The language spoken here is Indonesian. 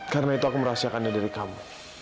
karena itu aku merahsiakannya dari kamu